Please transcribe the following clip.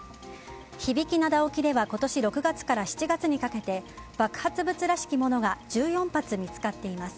響灘沖では今年６月から７月にかけて爆発物らしきものが１４発見つかっています。